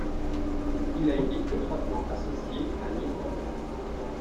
Il a été étroitement associé à Nimrod.